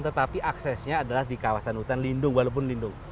tetapi aksesnya adalah di kawasan hutan lindung walaupun lindung